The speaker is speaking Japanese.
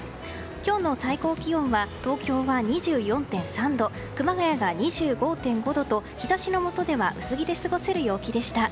今日の最高気温は東京は２４．３度熊谷が２５．５度と日差しのもとでは薄着で過ごせる陽気でした。